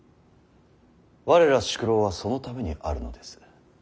我ら宿老はそのためにあるのです。